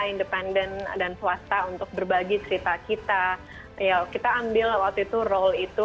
independen dan swasta untuk berbagi cerita kita ya kita ambil waktu itu role itu